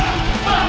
gak ada masalah